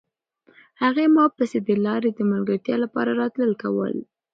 هغې په ما پسې د لارې د ملګرتیا لپاره راتلل کول.